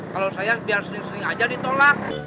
kalau saya biar sering sering aja ditolak